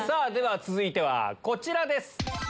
続いてはこちらです。